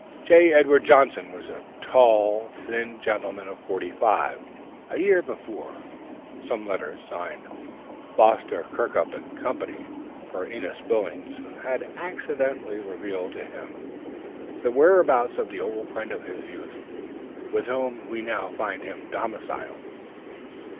J. Edward Johnson was a tall, thin gentleman of forty five.... A year before, some letters, signed "Foster, Kirkup & Co., per Enos Billings," had accidently revealed to him the whereabouts of the old friend of his youth, with whom we now find him domiciled....